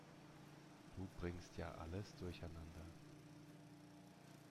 Du bringst ja alles durcheinander.